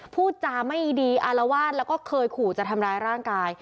พูดจาไม่ดีอารวาสแล้วก็เคยขู่จะทำร้ายร่างกาย